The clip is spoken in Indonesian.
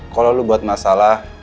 kalo lo buat masalah